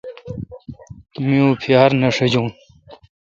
می اں پیار نہ ݭجون۔